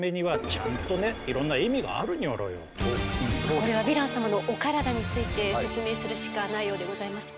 これはヴィラン様のお体について説明するしかないようでございますね。